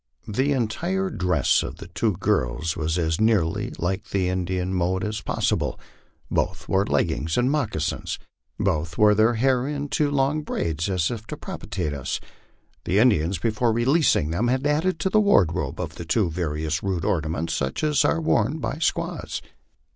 The entire dress of the two girls was as nearly like the Indian mode as possible; both wore leggings and moccasins; both wore their hair in two long braids, and as if to propitiate us, the Indians, before releasing them, had added to the wardrobe of the two girls various rude ornaments, such as are worn by squaws.